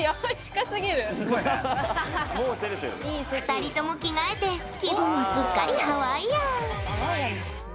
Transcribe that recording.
２人とも着替えて気分はすっかりハワイアン。